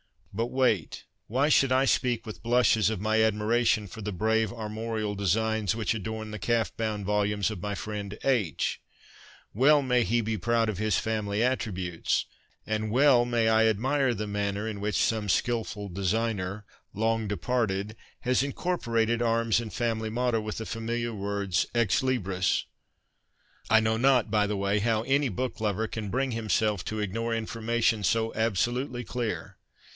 But wait ! Why should I speak with blushes of my admiration for the brave armorial designs which adorn the calf bound volumes of my friend H ? 86 CONFESSIONS OF A BOOK LOVER Well may he be proud of his family attributes, and well may I admire the manner in which some skil ful designer, long departed, has incorporated arms and family motto with the familiar words Ex Libris. I know not, by the way, how any book lover can bring himself to ignore information so absolutely clear.